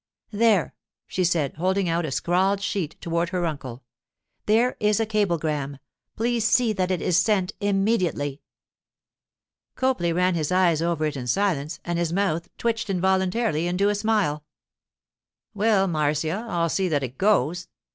'There,' she said, holding out a scrawled sheet toward her uncle. 'There is a cablegram. Please see that it is sent immediately.' Copley ran his eyes over it in silence, and his mouth twitched involuntarily into a smile. 'Well, Marcia, I'll see that it goes.